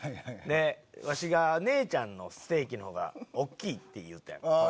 わしが姉ちゃんのステーキが大きいって言うたん。